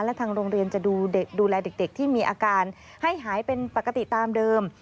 และทางโรงเรียนจะดูแลเด็กที่มีอาการให้หายเป็นปกติตามเดิม